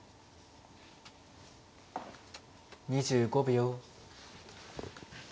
２５秒。